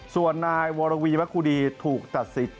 ส่วนนายวรวีมะคุดีถูกตัดสิทธิ